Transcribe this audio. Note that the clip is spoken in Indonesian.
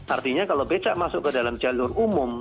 artinya kalau becak masuk ke dalam jalur umum